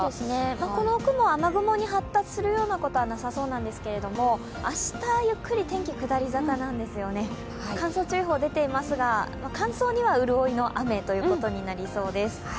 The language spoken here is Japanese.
この雲、雨雲に発達することはなさそうなんですけれども明日ゆっくり天気、下り坂なんですよね、乾燥注意報が出ていますが、乾燥には潤いの雨ということになりそうです。